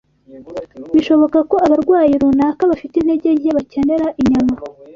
Bishoboka ko abarwayi runaka bafite intege nke bakenera inyama